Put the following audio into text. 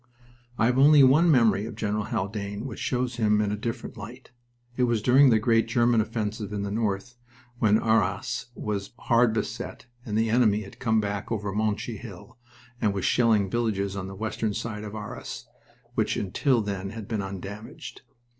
I have one memory of General Haldane which shows him in a different light. It was during the great German offensive in the north, when Arras was hard beset and the enemy had come back over Monchy Hill and was shelling villages on the western side of Arras, which until then had been undamaged.